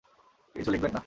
কিছু লিখবেন না।